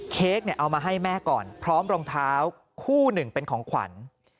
เค้กเอามาให้แม่ก่อนพร้อมรองเท้าคู่หนึ่งเป็นของขวัญ